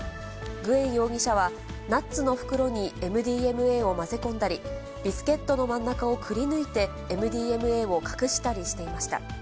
グエン容疑者は、ナッツの袋にＭＤＭＡを混ぜ込んだり、ビスケットの真ん中をくりぬいて、ＭＤＭＡを隠したりしていました。